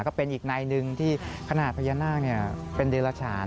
ก็เป็นอีกนายหนึ่งที่ขนาดพญานาคเป็นเดรฉาน